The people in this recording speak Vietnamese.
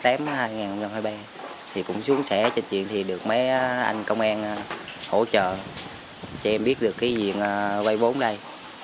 thì cũng xuống xe trên chuyện thì được mấy anh công an hỗ trợ cho em biết được cái diện vây vốn đây